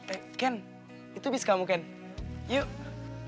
eh ken itu bisa kamu ken yuk